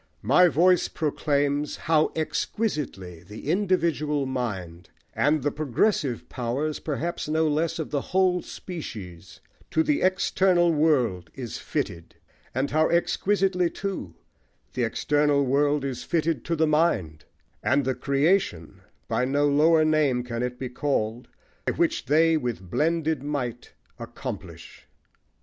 My voice proclaims How exquisitely the individual mind (And the progressive powers, perhaps, no less Of the whole species) to the external world Is fitted; and how exquisitely, too, The external world is fitted to the mind; And the creation, by no lower name Can it be called, which they with blended might Accomplish.